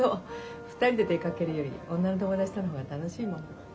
２人で出かけるより女の友達との方が楽しいもん。